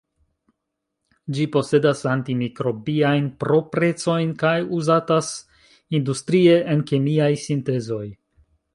Ĝi posedas anti-mikrobiajn proprecojn kaj uzatas industrie en kemiaj sintezoj.